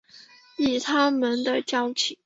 以他们的交情